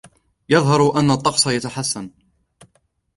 يظهر أن الطقس يتحسن.